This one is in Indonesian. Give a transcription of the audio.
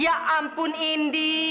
ya ampun indi